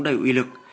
đầy uy lực